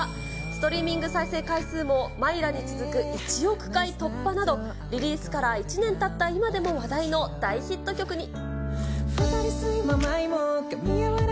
ストリーミング再生回数もマイラに続く１億回突破など、リリースから１年たった今でも話題の大ヒット曲に。